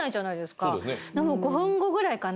５分後ぐらいかな？